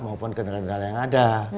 maupun kendala kendala yang ada